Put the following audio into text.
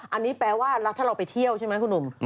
อันนี้แปลว่าถ้าเราไปเที่ยวใช่ไหมคุณหนุ่ม